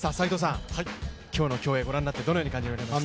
今日の競泳、ご覧になってどう感じられました？